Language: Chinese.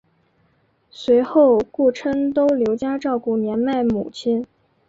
随后顾琛都留家照顾年迈母亲。